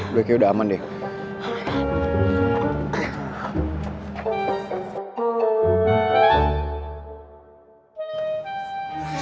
gue kayaknya udah aman deh